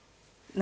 何？